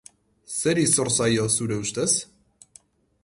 Zeri zor zaio, zure ustez?